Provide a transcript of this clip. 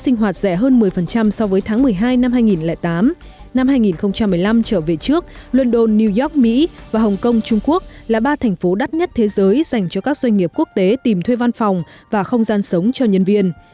năm hai nghìn tám năm hai nghìn một mươi năm trở về trước london new york mỹ và hồng kông trung quốc là ba thành phố đắt nhất thế giới dành cho các doanh nghiệp quốc tế tìm thuê văn phòng và không gian sống cho nhân viên